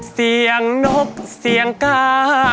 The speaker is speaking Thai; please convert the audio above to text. เสียงนบเสียงกา